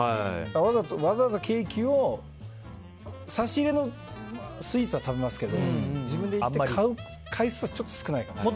わざわざケーキを差し入れのスイーツは食べますけど自分で行って買う回数はちょっと少ないかもしれない。